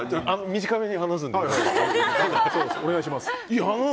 短めに話すんですけども。